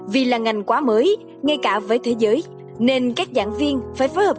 vì là ngành quá mới ngay cả với thế giới nên các giảng viên phải phối hợp